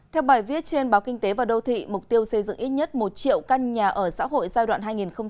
theo bài viết trên báo kinh tế và đô thị mục tiêu xây dựng ít nhất một triệu căn nhà ở xã hội giai đoạn hai nghìn hai mươi một hai nghìn hai mươi năm